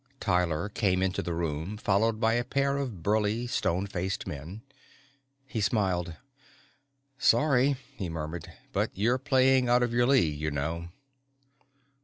_ Tyler came into the room, followed by a pair of burly stone faced men. He smiled. "Sorry," he murmured, "but you're playing out of your league, you know."